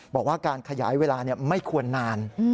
บอกว่าการขยายเวลาไม่ควรนาน